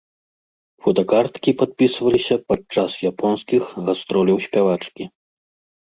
Фотакарткі падпісваліся падчас японскіх гастроляў спявачкі.